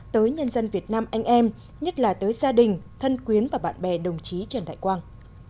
tới nhân dân việt nam anh em nhất là tới gia đình thân quyến và bạn bè đồng chí trần đại quang